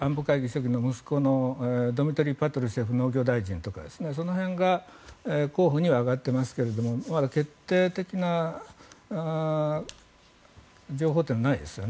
息子のドミトリー・パトルシェフ農業大臣とかその辺りが候補には挙がっているんですがまだ決定的な情報はないですよね。